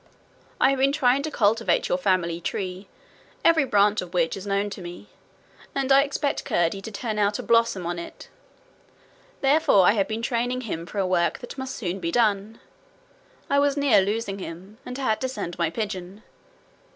I have been trying to cultivate your family tree, every branch of which is known to me, and I expect Curdie to turn out a blossom on it. Therefore I have been training him for a work that must soon be done. I was near losing him, and had to send my pigeon.